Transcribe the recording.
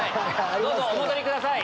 どうぞお戻りください。